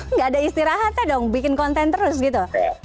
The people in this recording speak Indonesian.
nggak ada istirahatnya dong bikin konten terus gitu